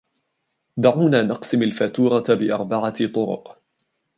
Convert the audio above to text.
دعونا نقسم الفاتورة بأربعة طرق.